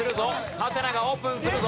ハテナがオープンするぞ。